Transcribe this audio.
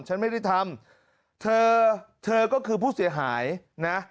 ฉันไม่ได้ทำเธอเธอก็คือผู้เสียหายนะ